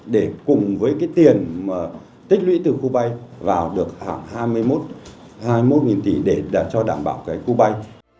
để cùng với cái tiền tích lũy từ khu bay vào được hạng hai mươi một tỷ để cho đảm bảo cái khu bay